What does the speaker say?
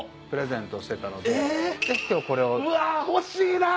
うわ欲しいな！